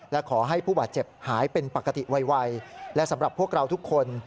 และขอให้ผู้บาดเจ็บหายเป็นปกติไวและสำหรับพวกเราทุกคน